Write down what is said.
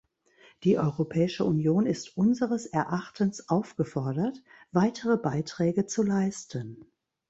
Die Europäische Union ist unseres Erachtens aufgefordert, weitere Beiträge zu leisten.